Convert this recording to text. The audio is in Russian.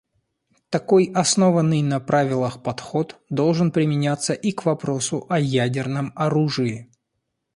Такой основанный на правилах подход должен применяться и к вопросу о ядерном оружии.